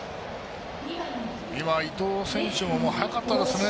伊藤選手も早かったですね。